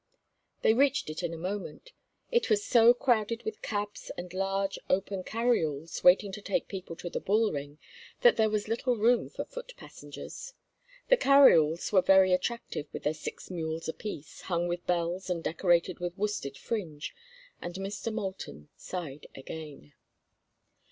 They reached it in a moment. It was so crowded with cabs and large, open carry alls, waiting to take people to the bull ring, that there was little room for foot passengers. The carry alls were very attractive with their six mules apiece, hung with bells and decorated with worsted fringe, and Mr. Moulton sighed again.